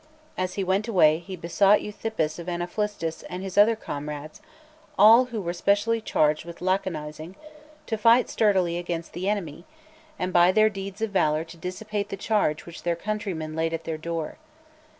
As he went away he besought Euthippus of Anaphlystus and his other comrades, all who were specially charged with laconizing, to fight sturdily against the enemy, and by their deeds of valour to dissipate the charge which their countrymen laid at their door.